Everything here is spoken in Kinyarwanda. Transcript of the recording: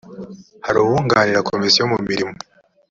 hari uwunganira komisiyo mu mirimo